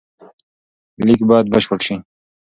لیک باید بشپړ سي.